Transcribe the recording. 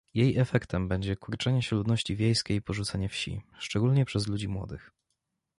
Jej efektem będzie kurczenie się ludności wiejskiej i porzucenie wsi, szczególnie przez ludzi młodych